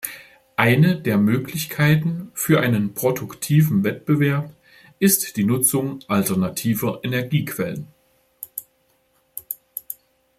Eine der Möglichkeiten für einen produktiven Wettbewerb ist die Nutzung alternativer Energiequellen.